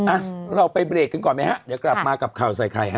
อ่ะเราไปเบรกกันก่อนไหมฮะเดี๋ยวกลับมากับข่าวใส่ไข่ฮะ